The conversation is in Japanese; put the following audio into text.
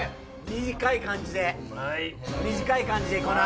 短い感じで短い感じでいこうな。